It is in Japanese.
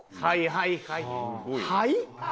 はい？